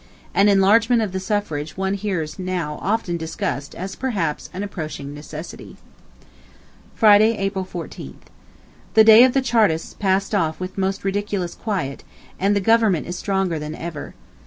An enlargement of the suffrage one hears now often discussed as, perhaps, an approaching necessity. Friday, April 14. The day of the Chartists passed off with most ridiculous quiet, and the government is stronger than ever.